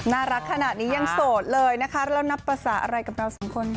น่ารักขนาดนี้ยังโสดเลยนะคะเรานับภาษาอะไรกับเราสองคนค่ะ